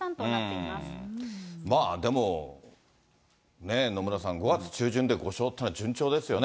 でも、ね、野村さん、５月中旬で５勝というのは、順調ですよね。